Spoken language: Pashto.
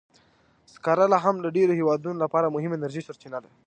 سکاره لا هم د ډېرو هېوادونو لپاره مهمه انرژي سرچینه ده.